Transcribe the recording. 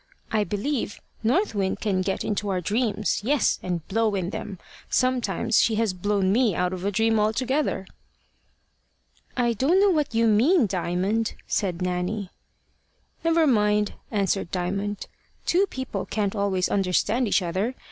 "I believe North Wind can get into our dreams yes, and blow in them. Sometimes she has blown me out of a dream altogether." "I don't know what you mean, Diamond," said Nanny. "Never mind," answered Diamond. "Two people can't always understand each other.